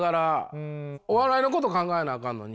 お笑いのこと考えなあかんのに。